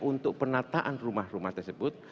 untuk penataan rumah rumah tersebut